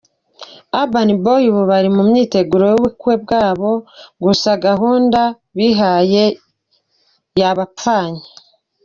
Urban Boys ubu bari mu myiteguro y'ubukwe bwabo gusa gahunda bihaye yabapfanye.